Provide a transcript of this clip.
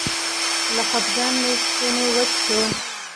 له خپګانه مې ستونی وچ شو.